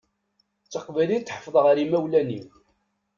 D taqbaylit i d-ḥefḍeɣ ar imawlan-iw.